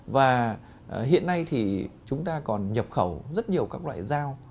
và hiện nay thì chúng ta còn nhập khẩu rất nhiều các loại dao